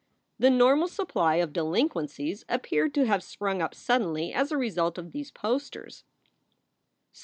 The normal supply of delinquencies appeared to have sprung up suddenly as a result of these posters.